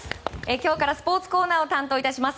今日からスポーツコーナーを担当いたします。